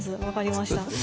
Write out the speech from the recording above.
分かりました。